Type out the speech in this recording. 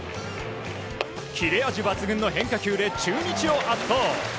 切れ味抜群の変化球で中日を圧倒。